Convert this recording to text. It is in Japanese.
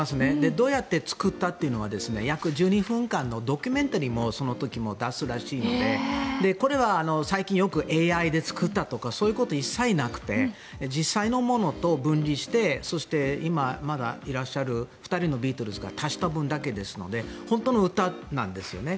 どうやって作ったというのは約１２分間のドキュメンタリーもその時、出すらしいのでこれは最近、よくＡＩで作ったとかそういうことは一切なくて実際のものと分離してそして、今まだいらっしゃる２人のビートルズが足した分だけですので本当の歌なんですよね。